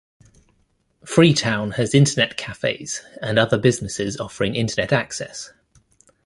Freetown has Internet cafes and other businesses offering Internet access.